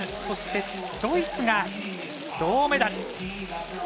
そして、ドイツが銅メダル。